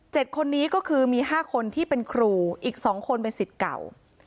คนนี้ก็คือมีห้าคนที่เป็นครูอีกสองคนเป็นสิทธิ์เก่า